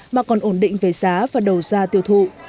mà còn ổn định về giá và đầu ra tiêu thụ